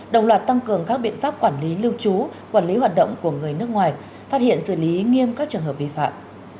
đồng loạt tăng cường các biện pháp quản lý lưu trú quản lý hoạt động của người nước ngoài phát hiện xử lý nghiêm các trường hợp vi phạm